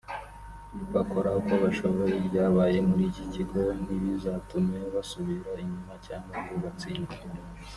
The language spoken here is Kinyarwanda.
bakora uko bashoboye ibyabaye muri iki kigo ntibizatume basubira inyuma cyangwa ngo batsindwe